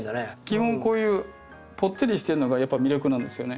基本こういうぽってりしてるのがやっぱり魅力なんですよね。